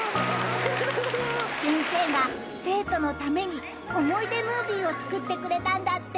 ［先生が生徒のために思い出ムービーを作ってくれたんだって］